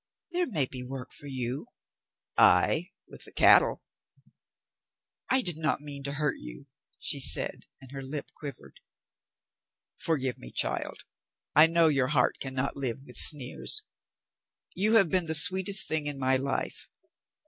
"There may be work for you." "Ay, with the cattle." "I did not mean to hurt you," she said, and her lip quivered. "Forgive me, child. I know your heart can not live with sneers. You have been the sweetest thing in my life.